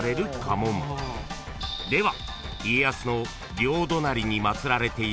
［では］